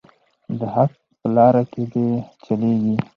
د حق په لاره کې دې چلیږي.